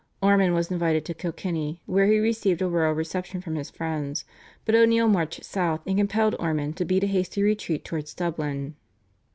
Ormond was invited to Kilkenny, where he received a royal reception from his friends. But O'Neill marched south and compelled Ormond to beat a hasty retreat towards Dublin.